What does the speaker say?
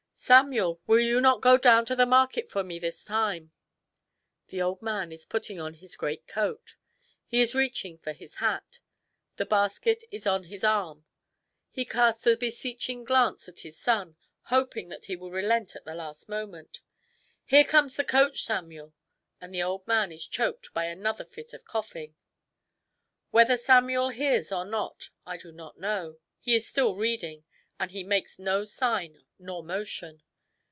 " Samuel, will you not go down to the market for me this time ?" The old man is putting on his great coat. He is reaching for his hat. The basket is on his arm. i . He casts a beseeching glance at his son, hoping that he will relent at the last moment. " Here comes the coach, Samuel ;" and the old man is choked by another fit of coughing. Whether Samuel hears or not, I do not know. He is still reading, and he makes no sign nor motion.